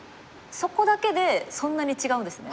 そこだけでそんなに違うんですね。